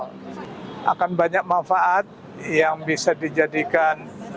karena akan banyak manfaat yang bisa dijadikan